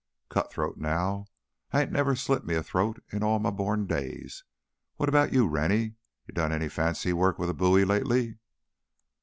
Cutthroat now I ain't never slit me a throat in all my born days. What about you, Rennie? You done any fancy work with a bowie lately?"